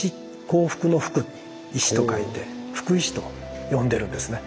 幸福の福石と書いて「福石」と呼んでるんですね。